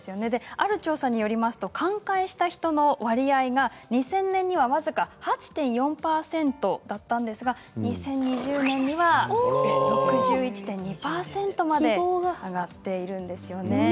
ある調査によりますと寛解した人の割合が２０００年には僅か８．４％だったんですが２０２０年には６１．２％にまで上がっているんですよね。